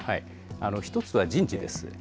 １つは人事です。